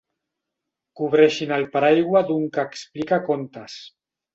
Cobreixin el paraigua d'un que explica contes.